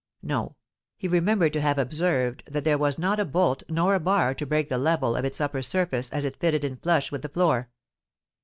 No:—he remembered to have observed that there was not a bolt nor a bar to break the level of its upper surface as it fitted in flush with the floor.